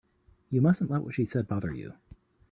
You mustn't let what she said bother you.